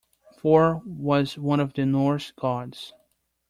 Thor was one of the Norse gods.